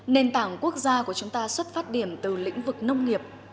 nền tảng quốc gia của chúng ta xuất phát điểm từ lĩnh vực nông nghiệp